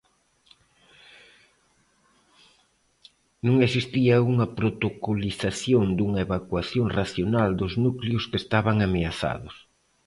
Non existía unha protocolización dunha evacuación racional dos núcleos que estaban ameazados.